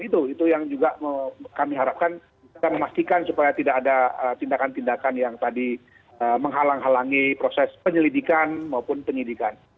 itu yang juga kami harapkan kita memastikan supaya tidak ada tindakan tindakan yang tadi menghalang halangi proses penyelidikan maupun penyidikan